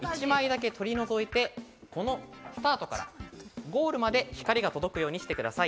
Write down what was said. ここにある鏡を１枚だけ取り除いてこのスタートからゴールまで光が届くようにしてください。